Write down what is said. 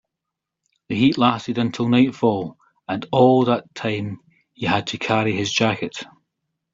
The heat lasted until nightfall, and all that time he had to carry his jacket.